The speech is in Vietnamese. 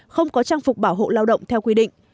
không có trang phục bảo hộ lao động theo quy định